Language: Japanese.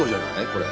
これ。